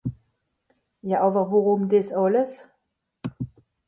Ja àwer wùrùm dìs àlles ?